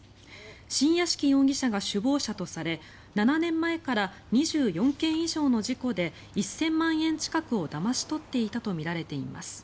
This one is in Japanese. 新屋敷容疑者が首謀者とされ７年前から２４件以上の事故で１０００万円近くをだまし取っていたとみられています。